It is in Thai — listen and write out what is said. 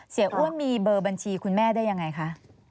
อ้วนมีเบอร์บัญชีคุณแม่ได้ยังไงคะ